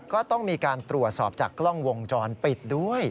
ก็ต้องมีการตรวจสอบจากกล้องวงจรปิดด้วย